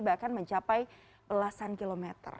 bahkan mencapai belasan kilometer